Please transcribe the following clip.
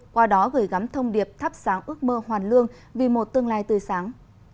qua đó gửi gắm thông điệp thắp sáng ước mơ hoàn lương vì một tương lai tươi sáng